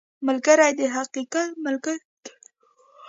ملګری د حقیقت ملګری دی